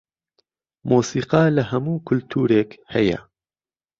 مۆسیقا لەهەموو کولتورێک هەیە